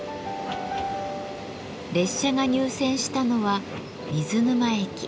列車が入線したのは水沼駅。